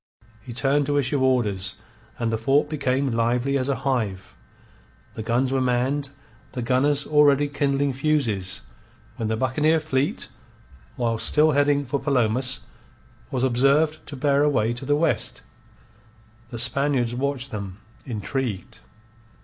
He turned to issue orders, and the fort became lively as a hive. The guns were manned, the gunners already kindling fuses, when the buccaneer fleet, whilst still heading for Palomas, was observed to bear away to the west. The Spaniards watched them, intrigued.